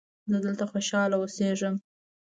زه دلته خوشحاله اوسیږم.